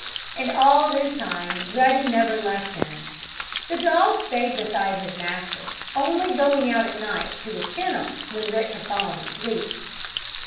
And all this time Ruddy never left him. The dog stayed beside his master, only going out at night to his kennel when Rick had fallen asleep.